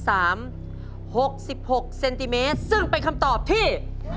๖๖เซนติเมตรซึ่งเป็นคำตอบที่